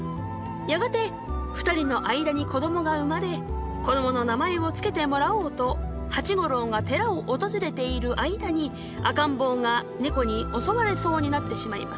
やがて２人の間に子供が生まれ子供の名前を付けてもらおうと八五郎が寺を訪れている間に赤ん坊が猫に襲われそうになってしまいます。